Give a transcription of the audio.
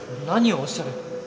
何をおっしゃる！